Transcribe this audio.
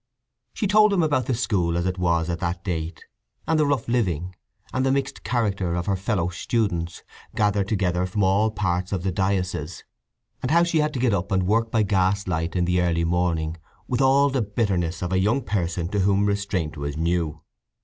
She told him about the school as it was at that date, and the rough living, and the mixed character of her fellow students, gathered together from all parts of the diocese, and how she had to get up and work by gas light in the early morning, with all the bitterness of a young person to whom restraint was new.